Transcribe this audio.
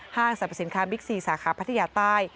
สรรพสินค้าบิ๊กซีสาขาพัทยาใต้